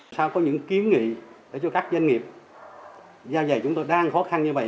sao có những kiếm nghị để cho các doanh nghiệp giao dày chúng tôi đang khó khăn như vậy